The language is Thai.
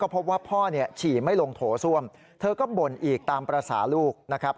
พบว่าพ่อเนี่ยฉี่ไม่ลงโถส้วมเธอก็บ่นอีกตามภาษาลูกนะครับ